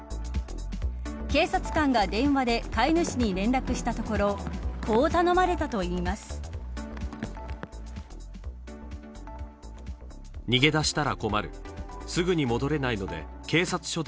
警察官が電話で飼い主に連絡したところこう頼まれたといいます。